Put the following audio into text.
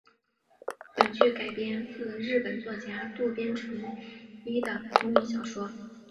本剧改编自日本作家渡边淳一的同名小说。